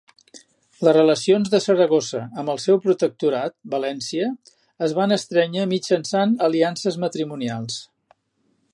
Les relacions de Saragossa amb el seu protectorat, València, es van estrènyer mitjançant aliances matrimonials.